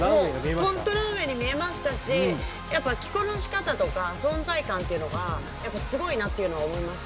ホントランウェイに見えましたし着こなし方とか存在感っていうのがやっぱすごいなっていうのは思いました。